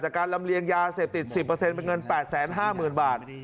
การลำเลียงยาเสพติด๑๐เป็นเงิน๘๕๐๐๐บาท